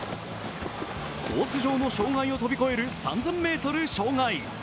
コース上の障害を跳び越える３０００ｍ障害。